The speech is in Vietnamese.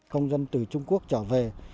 công dân từ trung quốc trở về